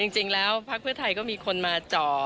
จริงแล้วพักเพื่อไทยก็มีคนมาจ่อ